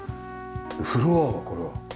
フロアはこれは？